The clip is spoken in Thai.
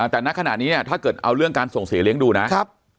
แต่ณขณะนี้เนี่ยถ้าเกิดเอาเรื่องการส่งเสียเลี้ยงดูนะครับ